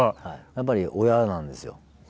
やっぱり親なんですよ。